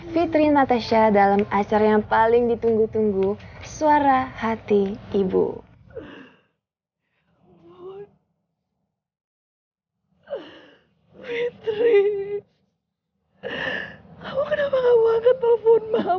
fitri kamu kenapa tidak mengangkat telepon mama nak